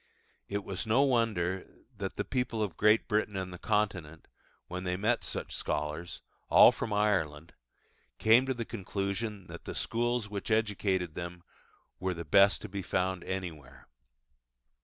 It was no wonder that the people of Great Britain and the Continent, when they met such scholars, all from Ireland, came to the conclusion that the schools which educated them were the best to be found anywhere.